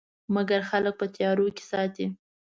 مګر خلک په تیارو کې ساتي.